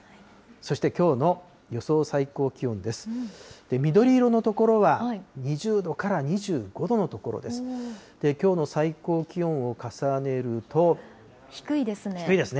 そして、きょうの予想最高気温です。